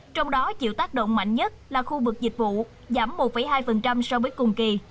trong đó chịu tác động mạnh nhất là khu vực dịch vụ giảm một hai so với cùng kỳ